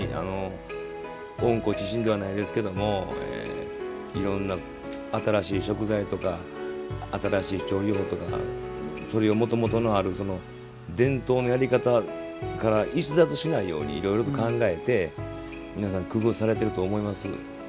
温故知新ではないですけれどもいろんな新しい食材とか新しい調理法とかそれを、もともとある伝統のやり方から逸脱しないようにいろいろと考えて皆さん工夫されていると思います。